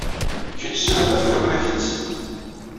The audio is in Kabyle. Kečč selmed, nukni ad k-nsel.